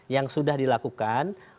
yang sudah dilakukan